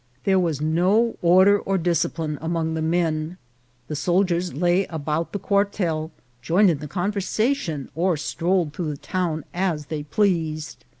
There was no order or discipline among the men ; the soldiers lay about the quartel, joined in the conver sation, or strolled through the town, as they pleased.